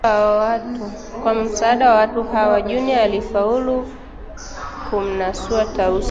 Kwa msaada wa watu hawa, Junior alifaulu kumnasua Tausi